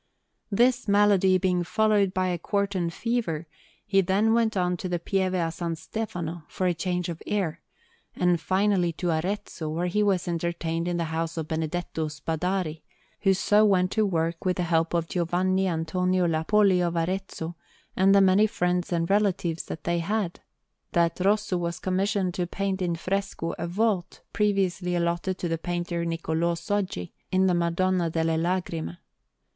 This malady being followed by a quartan fever, he then went on to the Pieve a San Stefano for a change of air, and finally to Arezzo, where he was entertained in the house of Benedetto Spadari, who so went to work with the help of Giovanni Antonio Lappoli of Arezzo and the many friends and relatives that they had, that Rosso was commissioned to paint in fresco a vault previously allotted to the painter Niccolò Soggi, in the Madonna delle Lagrime.